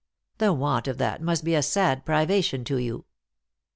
57 " The want of that must be a sad privation to you."